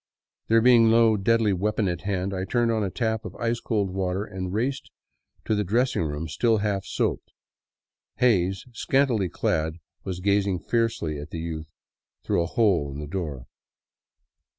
There being no deadly weapon at hand, I turned on a tap of ice cold water and raced to the dressing room still half soaped. Hays, scantily clad, was gazing fiercely at the youth through a hole in the door.